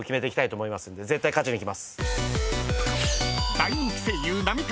［大人気声優浪川